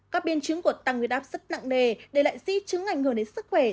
các biên chứng của tăng huyết áp rất nặng nề để lại di chứng ảnh hưởng đến sức khỏe